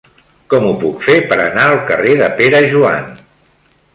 Com ho puc fer per anar al carrer de Pere Joan?